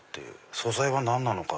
素材は何なのか？